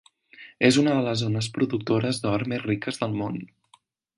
És una de les zones productores d'or més riques del món.